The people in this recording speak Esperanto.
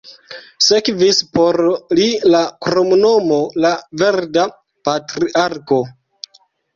Sekvis por li la kromnomo "la Verda Patriarko".